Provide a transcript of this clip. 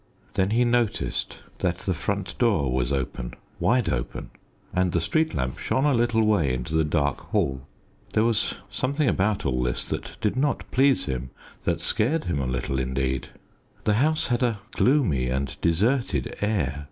Then he noticed that the front door was open wide open and the street lamp shone a little way into the dark hall. There was something about all this that did not please him that scared him a little, indeed. The house had a gloomy and deserted air.